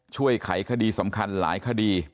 ไขคดีสำคัญหลายคดี